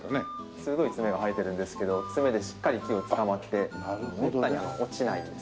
鋭い爪が生えてるんですけど爪でしっかり木をつかまってめったに落ちないです。